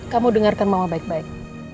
kamu dengarkan mama baik baik